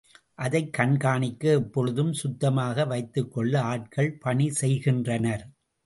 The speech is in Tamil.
அதைக் கண்காணிக்க எப்பொழுதும் சுத்தமாக வைத்துக்கொள்ள ஆட்கள் பணி செய்கின்றனர்.